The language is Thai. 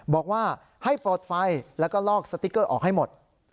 บอกว่าให้ปลดไฟแล้วก็ลอกสติ๊กเกอร์ออกให้หมด